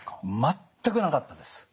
全くなかったです。